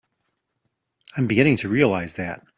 I'm beginning to realize that.